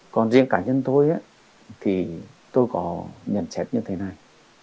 còn riêng cá nhân tôi thì tôi có nhận xét như thế này